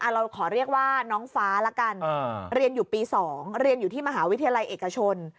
เราขอเรียกว่าน้องฟ้าละกันเรียนอยู่ปี๒เรียนอยู่ที่มหาวิทยาลัยเอกชน